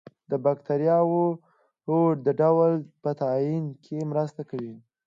د باکتریاوو د ډول په تعین کې مرسته کوي.